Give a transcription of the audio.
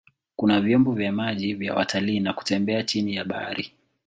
Kuna vyombo vya maji vya watalii na kutembea chini ya bahari.